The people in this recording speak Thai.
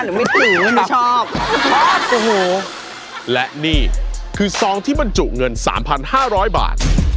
หรือไม่จริงชอบชอบโอ้โหและนี่คือซองที่บรรจุเงินสามพันห้าร้อยบาท